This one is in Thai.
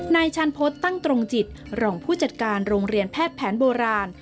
ชันพฤษตั้งตรงจิตรองผู้จัดการโรงเรียนแพทย์แผนโบราณ